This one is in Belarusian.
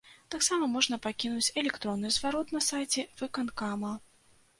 Таксама можна пакінуць электронны зварот на сайце выканкама.